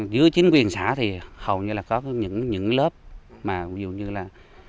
dưới chính quyền xã thì hầu như là có những lớp mà dù như là